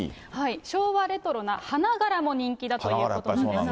昭和レトロな花柄も人気だということなんですね。